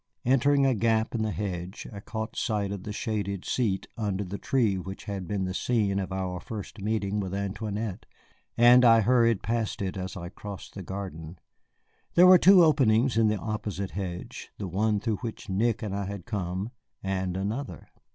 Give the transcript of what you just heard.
Entering a gap in the hedge, I caught sight of the shaded seat under the tree which had been the scene of our first meeting with Antoinette, and I hurried past it as I crossed the garden. There were two openings in the opposite hedge, the one through which Nick and I had come, and another.